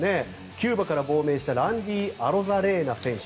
キューバから亡命したランディ・アロザレーナ選手